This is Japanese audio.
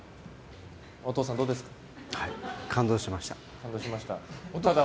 お父さん、どうですか？